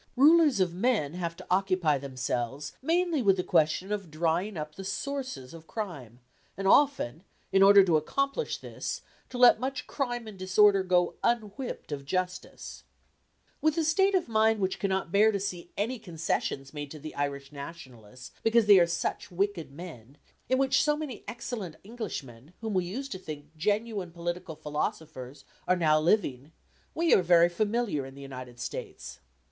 Rulers of men have to occupy themselves mainly with the question of drying up the sources of crime, and often, in order to accomplish this, to let much crime and disorder go unwhipped of justice. With the state of mind which cannot bear to see any concessions made to the Irish Nationalists because they are such wicked men, in which so many excellent Englishmen, whom we used to think genuine political philosophers, are now living, we are very familiar in the United States.